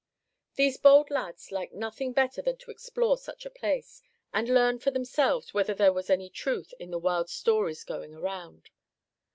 These bold lads liked nothing better than to explore such a place, and learn for themselves whether there was any truth in the wild stories going around.